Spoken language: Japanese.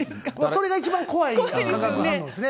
それが一番怖い化学反応ですね。